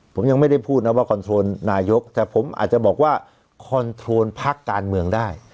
ผมยังไม่ได้พูดนะว่าคอนโทรลนายกแต่ผมอาจจะบอกว่าคอนโทรลพักการเมืองได้